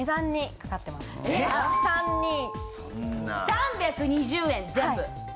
３２０円全部。